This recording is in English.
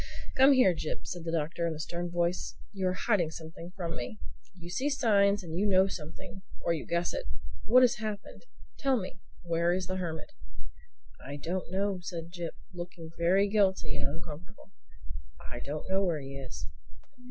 "Come here, Jip," said the Doctor in a stern voice. "You are hiding something from me. You see signs and you know something—or you guess it. What has happened? Tell me. Where is the Hermit?" "I don't know," said Jip looking very guilty and uncomfortable. "I don't know where he is."